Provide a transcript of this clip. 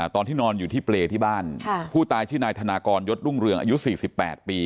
ตอนที่นอนอยู่ที่เปรย์ที่บ้านผู้ตายชื่อนายธนากรยศรุ่งเรืองอายุ๔๘ปี